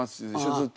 ずっと。